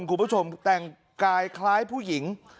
คุณผู้ชมแต่งกายคล้ายผู้หญิง